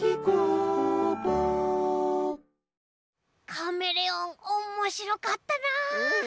カメレオンおもしろかったな。